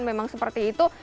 memang seperti itu